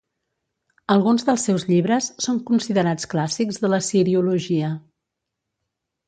Alguns dels seus llibres són considerats clàssics de l'Assiriologia.